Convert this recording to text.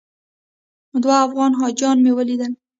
دوه افغان حاجیان مې ولیدل.